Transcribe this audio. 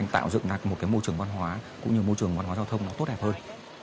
tạo dựng một môi trường văn hóa cũng như môi trường văn hóa giao thông tốt đẹp hơn